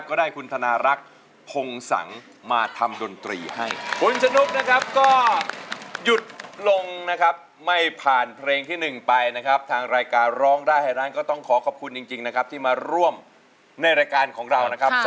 ขอบคุณคุณสนุกนะครับขอบคุณมากครับ